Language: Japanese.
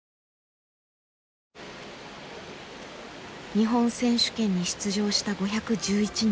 日本選手権に出場した５１１人。